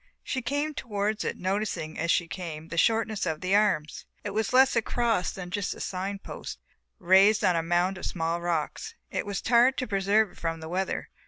She came towards it, noticing as she came the shortness of the arms. It was less a cross than a sign post, a sign post raised on a mound of small rocks; it was tarred to preserve it from the weather.